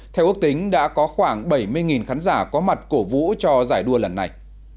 theo ước tính đã có khoảng bảy mươi khán giả có mặt cổ vũ cho giải đua lần này